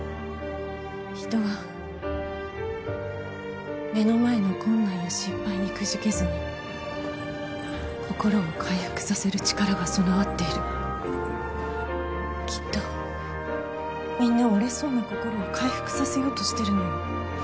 人は目の前の困難や失敗にくじけずに心を回復させる力が備わっているきっとみんな折れそうな心を回復させようとしてるのよ